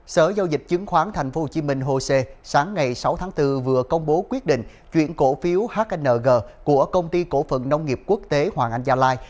sở giao dịch chứng khoán tp hcm hosea sáng ngày sáu tháng bốn vừa công bố quyết định chuyển cổ phiếu hng của công ty cổ phận nông nghiệp quốc tế hoàng anh gia lai